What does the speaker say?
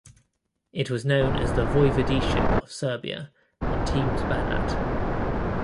It was known as the Voivodeship of Serbia and Temes Banat.